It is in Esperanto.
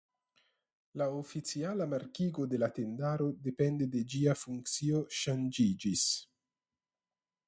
La oficiala markigo de la tendaro depende de ĝia funkcio ŝanĝiĝis.